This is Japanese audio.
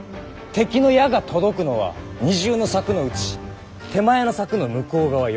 敵の矢が届くのは二重の柵のうち手前の柵の向こう側。